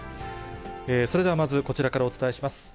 それではまず、こちらからお伝えします。